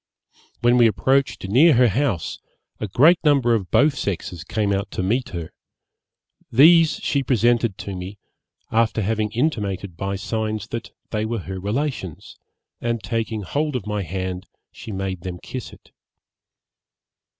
When we approached near her house, a great number of both sexes came out to meet her; these she presented to me, after having intimated by signs that they were her relations, and taking hold of my hand she made them kiss it.